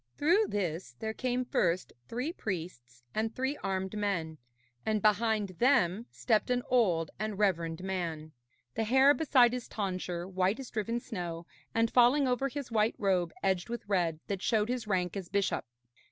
Through this there came first three priests and three armed men, and behind them stepped an old and reverend man, the hair beside his tonsure white as driven snow, and falling over his white robe edged with red, that showed his rank as bishop.